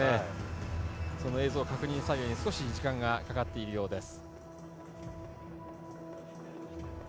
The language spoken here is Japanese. その映像確認作業に少し時間がかかるようです。